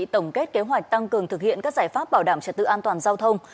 tổng kết kế hoạch tăng cường thực hiện các giải pháp bảo đảm trật tự an toàn giao thông